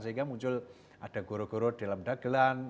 sehingga muncul ada goro goro dalam dagelan